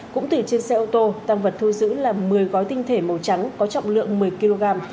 cũng tùy trên xe ô tô tăng vật thu giữ là một mươi gói tinh thể màu trắng có trọng lượng một mươi kg